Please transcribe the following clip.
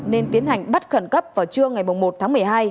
nên tiến hành bắt khẩn cấp vào trưa ngày một tháng một mươi hai